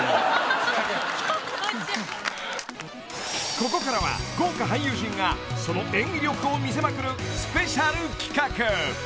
［ここからは豪華俳優陣がその演技力を見せまくるスペシャル企画］